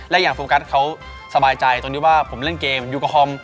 และอย่างโฟกัสเขาสบายใจตรงที่ว่าผมเล่นเกมอยู่กับคอม